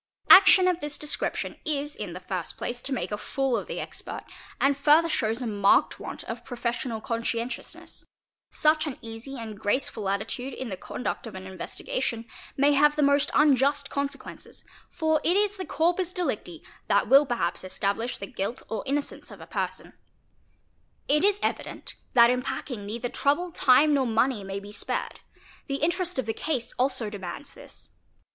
Action of this description is in the first place to take a fool of the expert and further shows a marked want of profes sional conscientiousness; such an easy and graceful attitude in the 7 onduct of an investigation may have the most unjust consequences, for : O! & person. It is evident that in packing neither trouble, time, nor money may be , spared ; the interest of the case also demands this.